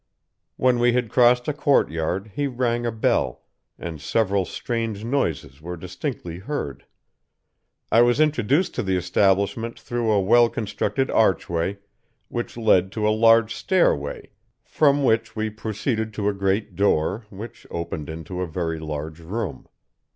"When we had crossed a courtyard, he rang a bell, and several strange noises were distinctly heard. I was introduced to the establishment through a well constructed archway, which led to a large stairway, from which we proceeded to a great door, which opened into a very large room.